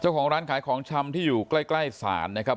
ของร้านขายของชำที่อยู่ใกล้ศาลนะครับ